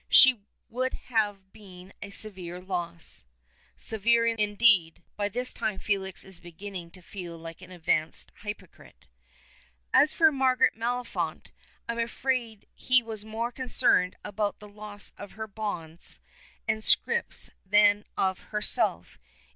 "She would have been a severe loss." "Severe, indeed." By this time Felix is beginning to feel like an advanced hypocrite. "As for Margaret Maliphant, I am afraid he was more concerned about the loss of her bonds and scrips than of herself.